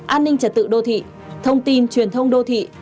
an ninh trật tự đô thị thông tin truyền thông đô thị